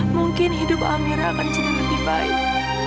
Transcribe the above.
mungkin hidup amira akan jadi lebih baik